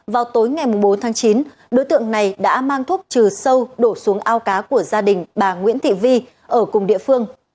vào tối ngày bốn tháng chín đối tượng này đã mang thuốc trừ sâu đổ xuống ao cá của gia đình bà nguyễn thị vi ở cùng địa phương